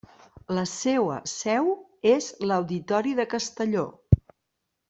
La seua seu és l'Auditori de Castelló.